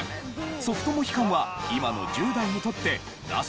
ソフトモヒカンは今の１０代にとってナシ？